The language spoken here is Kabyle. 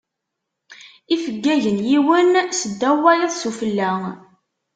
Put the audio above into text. Ifeggagen yiwen s ddaw wayeḍ sufella.